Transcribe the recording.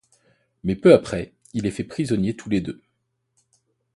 Mais peu après, il les fait prisonnier tous les deux.